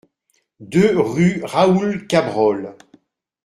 deux rue Raoul Cabrol